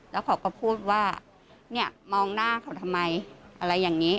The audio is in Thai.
แล้วเขาก็พูดว่าเนี่ยมองหน้าเขาทำไมอะไรอย่างนี้